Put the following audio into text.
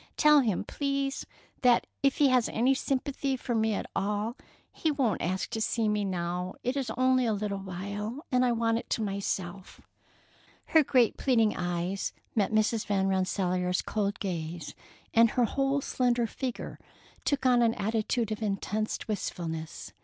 Tell him, please, that if he has any sympathy for me at all, he won't ask to see me now. It is only a little while, and I want it to myself." Her great pleading eyes met Mrs. Van Rensselaer's cold gaze, and her whole slender figure took an attitude of intense wistfulness.